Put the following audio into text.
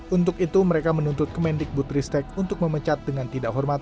untuk itu mereka menuntut kemendikbutristek untuk memecat dengan tidak hormat